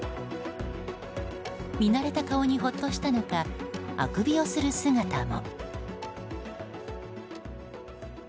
見慣れた顔に、ほっとしたのかあくびをする姿も。